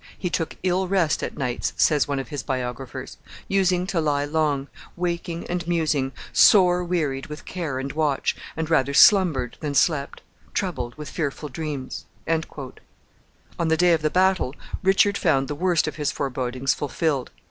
"He took ill rest at nights," says one of his biographers, "using to lie long, waking and musing, sore wearied with care and watch, and rather slumbered than slept, troubled with fearful dreams." On the day of the battle Richard found the worst of his forebodings fulfilled.